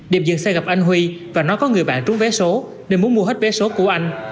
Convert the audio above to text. điệp dừng xe gặp anh huy và nói có người bạn trú vé số nên muốn mua hết vé số của anh